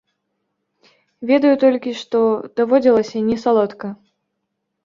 Ведаю толькі, што даводзілася не салодка.